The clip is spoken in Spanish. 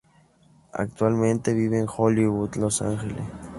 Actualmente vive en Hollywood, Los Ángeles.